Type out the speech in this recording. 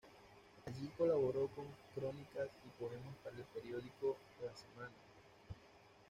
Allí colaboró con crónicas y poemas para el periódico "La Semana".